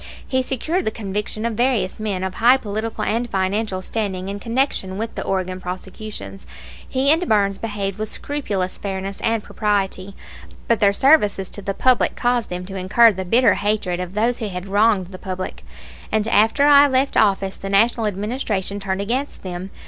He secured the conviction of various men of high political and financial standing in connection with the Oregon prosecutions; he and Burns behaved with scrupulous fairness and propriety; but their services to the public caused them to incur the bitter hatred of those who had wronged the public, and after I left office the National Administration turned against them.